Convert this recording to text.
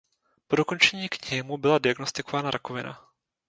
Po dokončení knihy mu byla diagnostikována rakovina.